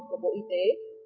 của bộ y tế